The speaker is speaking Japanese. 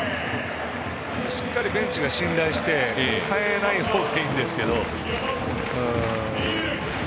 しっかりベンチが信頼して代えない方がいいんですけど。